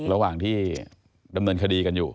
ระหว่างที่ดำเนินคดีกันอยู่